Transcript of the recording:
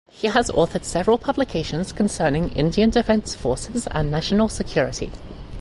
He has authored several publications concerning Indian defence forces and national security.